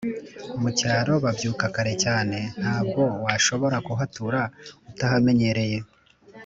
mucyaro babyuka kare cyane ntabwo washobora kuhatura utahamenyereye